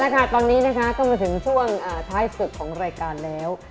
ตอนนี้นะคะก็มาถึงช่วงท้ายสุดของรายการแล้ว